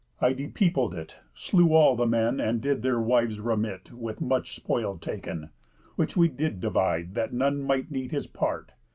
I depeopled it, Slew all the men, and did their wives remit, With much spoil taken; which we did divide, That none might need his part.